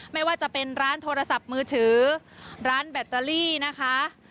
ไม่ว่าจะเป็นร้านโทรศัพท์มือถือร้านแบตเตอรี่นะคะ